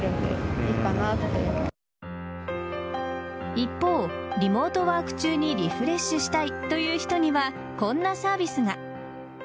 一方、リモートワーク中にリフレッシュしたいという人にはこんなサービスが。